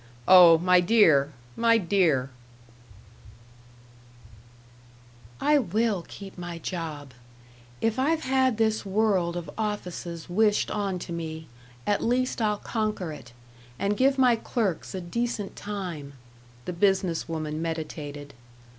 Oh, my dear, my dear "§ 2 "I will keep my job if I've had this world of offices wished on to me, at least I'll conquer it, and give my clerks a decent time," the business woman meditated.